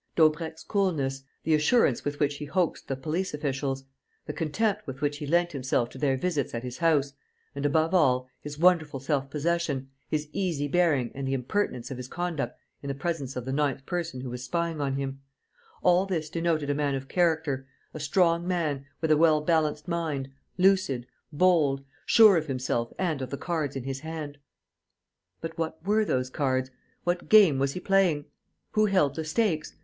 Daubrecq's coolness, the assurance with which he hoaxed the police officials, the contempt with which he lent himself to their visits at his house and, above all, his wonderful self possession, his easy bearing and the impertinence of his conduct in the presence of the ninth person who was spying on him: all this denoted a man of character, a strong man, with a well balanced mind, lucid, bold, sure of himself and of the cards in his hand. But what were those cards? What game was he playing? Who held the stakes?